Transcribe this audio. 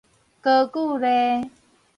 高句麗